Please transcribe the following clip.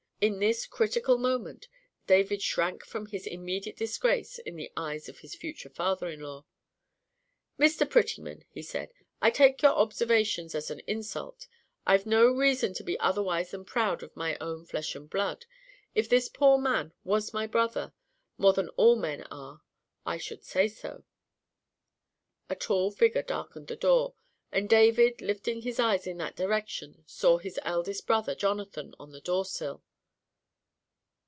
In this critical moment, David shrank from this immediate disgrace in the eyes of his future father in law. "Mr. Prettyman," he said, "I take your observations as an insult. I've no reason to be otherwise than proud of my own flesh and blood. If this poor man was my brother more than all men are, I should say so." A tall figure darkened the door, and David, lifting his eyes in that direction, saw his eldest brother, Jonathan, on the door sill.